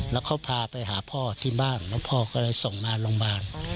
แล้วเขาพาไปหาพ่อที่บ้านแล้วพ่อก็เลยส่งมาโรงพยาบาล